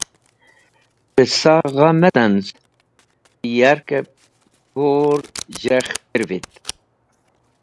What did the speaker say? Qẽsaẽ gha me tanz ti yarkẽb kur zhẽrekh peivit